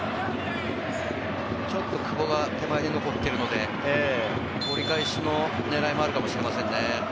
ちょっと久保が残っているので折り返しの狙いもあるかもしれませんね。